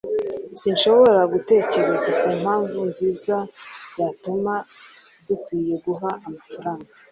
Sinshobora gutekereza kumpamvu nziza yatuma dukwiye guha amafaranga.